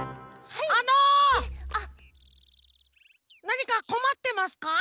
なにかこまってますか？